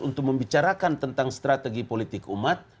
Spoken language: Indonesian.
untuk membicarakan tentang strategi politik umat